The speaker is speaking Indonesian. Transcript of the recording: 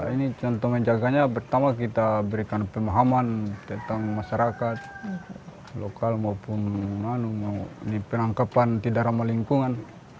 ini contoh menjaganya pertama kita berikan pemahaman tentang masyarakat lokal maupun penangkapan tidak ramah lingkungan